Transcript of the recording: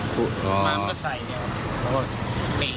แล้วก็ใส่เนี่ย